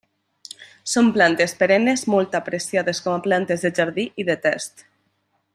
Són plantes perennes molt apreciades com a plantes de jardí i de test.